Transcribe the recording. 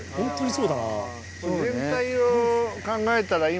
そうだね。